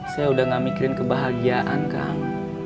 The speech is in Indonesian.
saya udah gak mikirin kebahagiaan kang